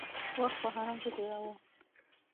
وخت په حرم کې تېراوه.